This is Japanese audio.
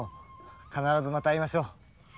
必ずまた会いましょう。